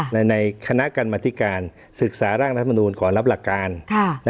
ค่ะในในคณะการมาธิการศึกษาร่างรัฐมนุนก่อนรับหลักการค่ะ